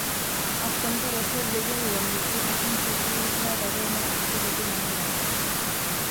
A v tomto roce zdědil Lomnici a tím přesunul své veřejné aktivity na Moravu.